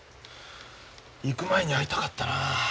行く前に会いたかったなあ。